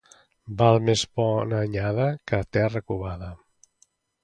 Val més bona anyada que terra covada.